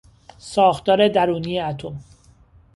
ساختار درونی اتم